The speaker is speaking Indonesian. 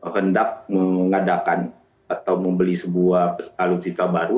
hendak mengadakan atau membeli sebuah alutsista baru